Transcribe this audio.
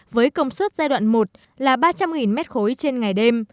với công suất giai đoạn một là ba trăm linh m ba trên ngày đêm